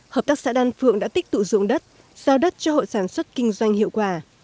hợp tác xã đan phượng đã tích tụ dụng đất giao đất cho hội sản xuất kinh doanh hiệu quả